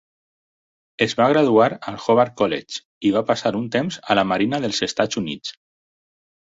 Es va graduar al Hobart College i va passar un temps a la Marina dels Estats Units.